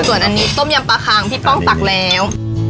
ส่วนอันนี้ต้มยำปลาคังพี่ป้องตักแล้ว